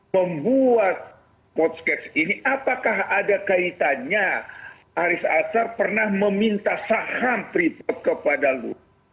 membuat post cash ini apakah ada kaitannya aris azhar pernah meminta saham pribub kepada luhut